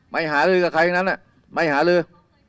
ไม่หาลือกับใครอย่างนั้นไม่หาลือ